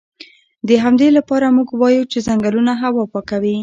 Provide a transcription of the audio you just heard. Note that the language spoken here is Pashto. د همدې لپاره موږ وایو چې ځنګلونه هوا پاکوي